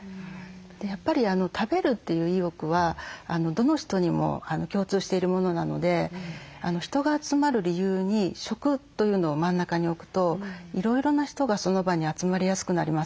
やっぱり食べるという意欲はどの人にも共通しているものなので人が集まる理由に食というのを真ん中に置くといろいろな人がその場に集まりやすくなります。